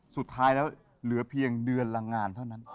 สุดท้ายแล้วเหลือเพียงเดือนละงานเท่านั้น